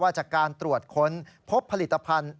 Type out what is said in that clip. จากการตรวจค้นพบผลิตภัณฑ์